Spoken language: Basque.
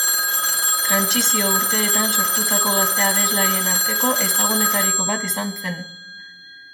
Trantsizio urteetan sortutako gazte abeslarien arteko ezagunetariko bat izan zen.